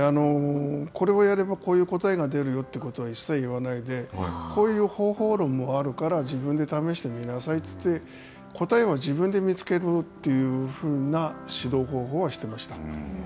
これをやればこういう答えが出るよということは一切言わないでこういう方法論もあるから自分で試してみなさいといって答えは自分で見つけるというふうな指導方法はしていました。